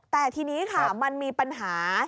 แต่ทีนี้ค่ะมันมีปัญหา